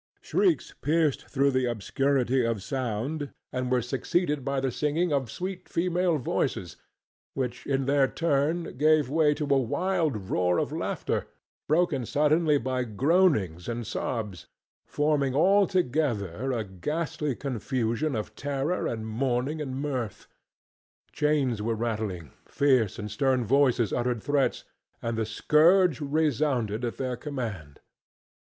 Shrieks pierced through the obscurity of sound and were succeeded by the singing of sweet female voices, which in their turn gave way to a wild roar of laughter broken suddenly by groanings and sobs, forming altogether a ghastly confusion of terror and mourning and mirth. Chains were rattling, fierce and stern voices uttered threats and the scourge resounded at their command.